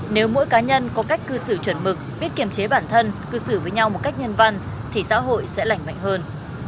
nếu mỗi cá nhân có cách cư xử chuẩn mực biết kiểm chế bản thân cư xử với nhau một cách nhân văn thì xã hội sẽ lành mạnh hơn